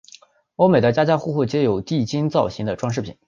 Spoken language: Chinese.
欧美的家家户户皆有地精造型的装饰品。